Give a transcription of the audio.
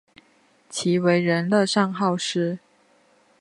其为人乐善好施。